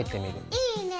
いいね！